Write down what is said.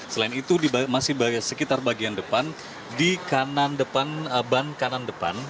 selain itu masih sekitar bagian depan di kanan depan ban kanan depan